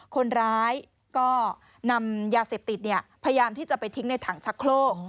คนร้ายก็นำยาเสพติดพยายามที่จะไปทิ้งในถังชะโครก